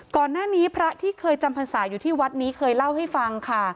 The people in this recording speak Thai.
ก่อนหน้านี้พระที่เคยจำพรรษาอยู่ที่วัดนี้เคยเล่าให้ฟังค่ะ